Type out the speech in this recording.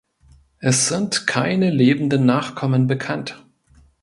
Es sind keine lebenden Nachkommen bekannt.